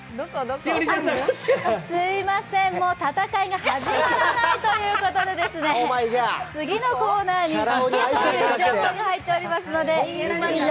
すいません、戦いが始まらないということで次のコーナーに行けというカンペが入っています。